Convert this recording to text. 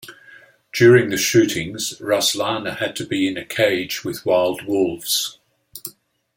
During the shootings, Ruslana had to be in a cage with wild wolves.